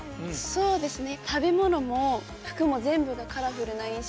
そうですね。